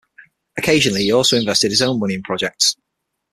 Occasionally he also invested his own money in projects.